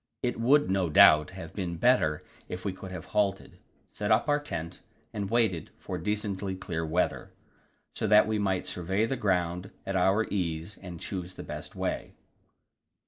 It would, no doubt, have been better if we could have halted, set up our tent, and waited for decently clear weather, so that we might survey the ground at our ease and choose the best way.